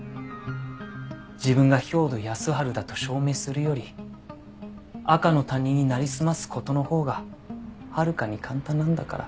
自分が兵働耕春だと証明するより赤の他人になりすます事のほうがはるかに簡単なんだから。